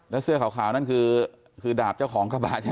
แล้วเสื้อขาวนั่นคือดาบเจ้าของกระบะใช่ไหม